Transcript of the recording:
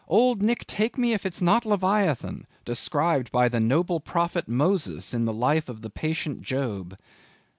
Old Nick take me if it is not Leviathan described by the noble prophet Moses in the life of patient Job."